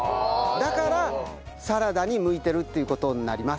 だからサラダに向いてるっていう事になります。